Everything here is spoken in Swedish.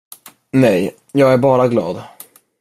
Nej, jag är bara glad.